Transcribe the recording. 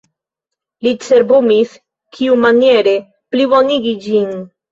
Li cerbumis kiumaniere plibonigi ĝin.